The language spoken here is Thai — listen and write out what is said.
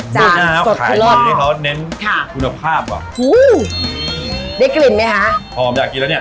จานแบบนี้เขาเน้นคุณภาพกว่าฮู้เดี๋ยวกลิ่นไหมฮะหอมอยากกินแล้วเนี่ย